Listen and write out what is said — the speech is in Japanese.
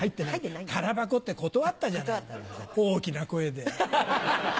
空箱って断ったじゃない大きな声で。